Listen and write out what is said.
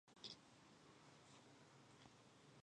خو قوت یې وو زبېښلی څو کلونو